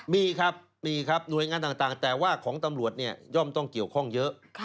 มีครับมีครับหน่วยงานต่างแต่ว่าของตำรวจเนี่ยย่อมต้องเกี่ยวข้องเยอะ